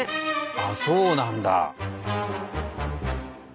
あそうなんだ。